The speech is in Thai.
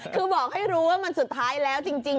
คือบอกให้รู้ว่ามันสุดท้ายแล้วจริง